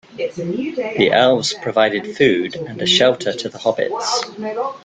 The elves provided food and shelter to the hobbits.